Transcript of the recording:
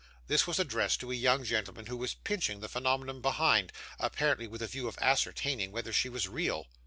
This was addressed to a young gentleman who was pinching the phenomenon behind, apparently with a view of ascertaining whether she was real.